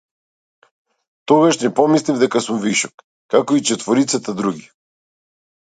Тогаш не помислив дека сум вишок, како и четворицата други.